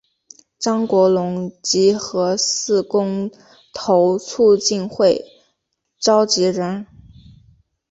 张国龙及核四公投促进会召集人。